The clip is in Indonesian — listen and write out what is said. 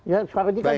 ya suara ini kan